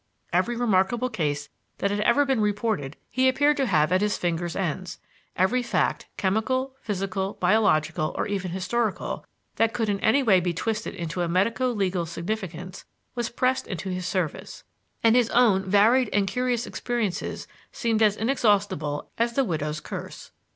Every remarkable case that had ever been reported he appeared to have at his fingers' ends; every fact chemical, physical, biological, or even historical that could in any way be twisted into a medico legal significance, was pressed into his service; and his own varied and curious experiences seemed as inexhaustible as the widow's curse.